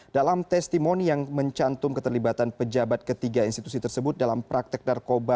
dalam testimoni yang mencantum keterlibatan pejabat ketiga institusi tersebut dalam praktek narkoba